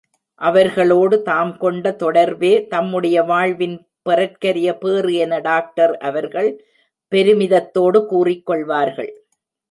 அவர்களோடு தாம் கொண்ட தொடர்பே தம்முடைய வாழ்வின் பெறற்கரிய பேறு என டாக்டர் அவர்கள் பெருமிதத்தோடு கூறிக் கொள்வார்கள்.